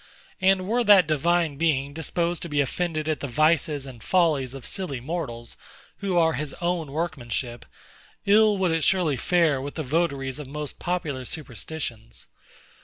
And were that Divine Being disposed to be offended at the vices and follies of silly mortals, who are his own workmanship, ill would it surely fare with the votaries of most popular superstitions.